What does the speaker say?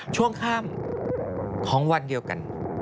ช่วงข้ามของวันเดียวกัน